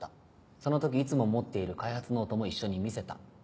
その時いつも持っている開発ノートも一緒に見せた」。